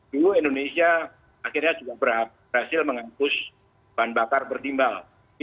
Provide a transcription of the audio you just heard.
bio indonesia akhirnya juga berhasil menghapus bahan bakar berdimbal